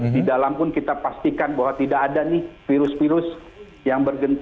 di dalam pun kita pastikan bahwa tidak ada nih virus virus yang bergensi